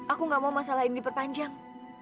aku gak mau masalah ini diperpanjang